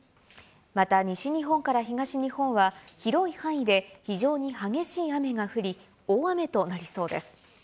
また西日本から東日本は、広い範囲で非常に激しい雨が降り、大雨となりそうです。